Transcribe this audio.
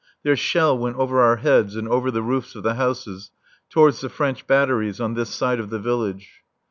Their shell went over our heads and over the roofs of the houses towards the French batteries on this side of the village.